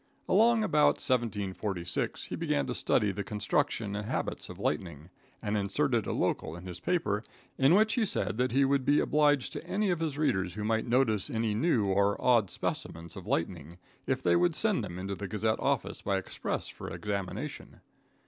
Along about 1746 he began to study the construction and habits of lightning, and inserted a local in his paper, in which he said that he would be obliged to any of his readers who might notice any new or odd specimens of lightning, if they would send them into the Gazette office by express for examination.